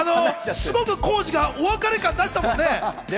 すごく浩次がお別れ感、出したもんね。